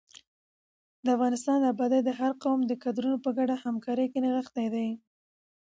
د افغانستان ابادي د هر قوم د کدرونو په ګډه همکارۍ کې نغښتې ده.